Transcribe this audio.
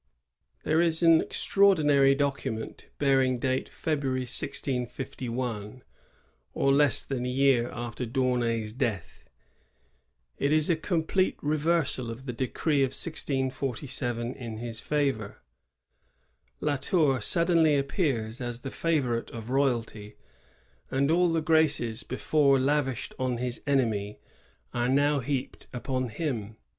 There is an extraordinary document bearing date February, 1651, or less than a year after D'Aunay's death. It is a complete reversal of the decree of 1647 in his favor. La Tour suddenly appears as the favorite of royalty, and all the graces before lavished on his enemy are now heaped upon him.